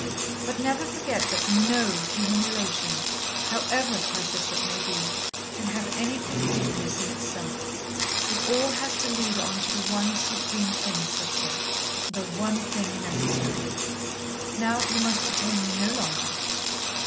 But never forget that no human relation, however precious it may be, can have any completeness in itself. It all has to lead on to the one supreme thing, Sister, the 'one thing necessary.' "Now you must detain me no longer."